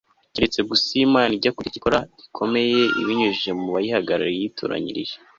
keretse gusa iyo imana ijya kugira icyo ikora gikomeye ibinyujije mu bayihagarariye yitoranyirije